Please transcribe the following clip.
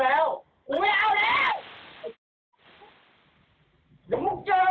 เดี่ยวมึงเจอกูยังจ้างความเหมือนกันเลย